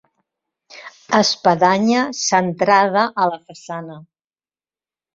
Espadanya centrada a la façana.